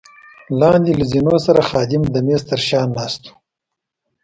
لاندې له زینو سره خادم د مېز تر شا ناست وو.